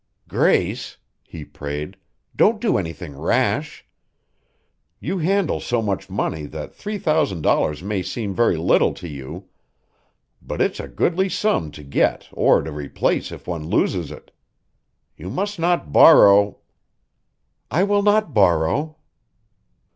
"Grace," he prayed, "don't do anything rash. You handle so much money that three thousand dollars may seem very little to you. But it's a goodly sum to get or to replace if one loses it. You must not borrow " "I will not borrow."